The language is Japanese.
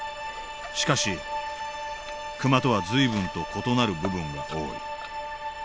しかしクマとは随分と異なる部分も多い。